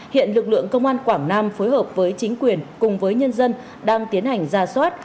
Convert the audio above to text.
hiện lực lượng công an quảng nam phối hợp với chính quyền cùng với nhân dân đang tiến hành ra soát